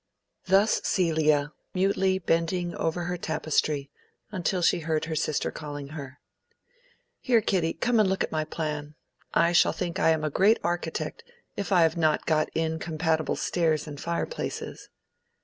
Thus Celia, mutely bending over her tapestry, until she heard her sister calling her. "Here, Kitty, come and look at my plan; I shall think I am a great architect, if I have not got incompatible stairs and fireplaces."